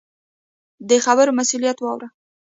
د خبرو مسؤلیت واوره.